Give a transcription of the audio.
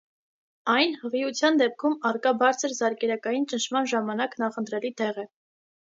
Այն հղիության դեպքում առկա բարձր զարկերակային ճնշման ժամանակ նախընտրելի դեղ է։